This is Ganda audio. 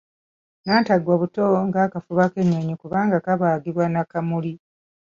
Nnantaggwa buto ng’akafuba k’ennyonyi kubanga kabaagibwa na kamuli.